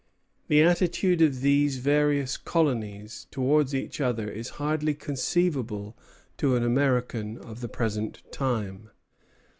The attitude of these various colonies towards each other is hardly conceivable to an American of the present time.